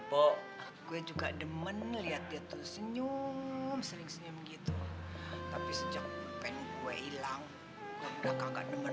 pok gue juga demen lihat itu senyum sering senyum gitu tapi sejak pen gue ilang kagak kagak demen